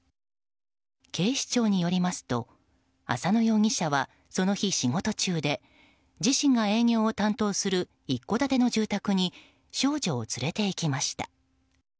警視庁によりますと浅野容疑者はその日、仕事中で自身が営業を担当する一戸建ての住宅に少女を連れていきました。